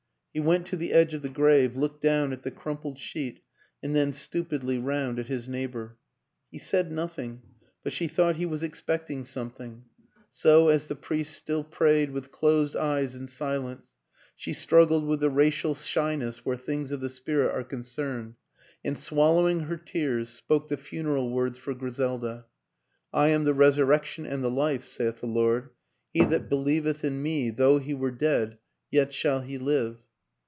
He went to the edge of the grave, looked down at the crumpled sheet and then stupidly round at his neighbor. He said nothing, but she thought he was expecting i8o WILLIAM AN ENGLISHMAN something; so, as the priest still prayed with closed eyes in silence, she struggled with the racial shyness where things of the spirit are concerned and, swallowing her tears, spoke the funeral words for Griselda. " I am the Resurrection and the Life, saith the Lord: he that believeth in Me, though he were dead, yet shall he live.